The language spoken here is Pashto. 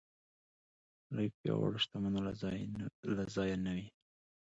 لوی پياوړ شتمنو له ځایه نه وي.